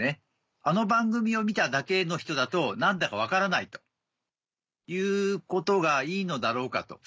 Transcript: あの番組を見ただけの人だと何だか分からないということがいいのだろうかと。